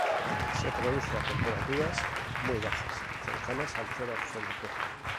Se produce a temperaturas muy bajas, cercanas al cero absoluto.